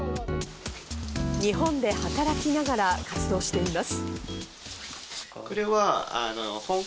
日本で働きながら活動しています。